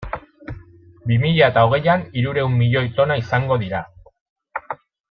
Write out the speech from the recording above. Bi mila eta hogeian hirurehun milioi tona izango dira.